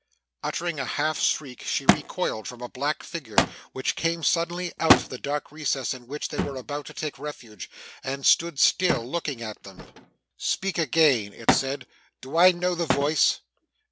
Uttering a half shriek, she recoiled from a black figure which came suddenly out of the dark recess in which they were about to take refuge, and stood still, looking at them. 'Speak again,' it said; 'do I know the voice?